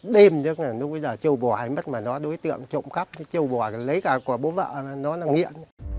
đêm lúc bây giờ trộm bò hay mất mà nó đối tượng trộm cắp trộm bò lấy cả của bố vợ nó là nghiện